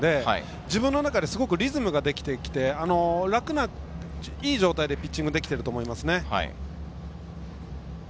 自分の中ですごくリズムができて楽ないい状態でピッチングができていると思います。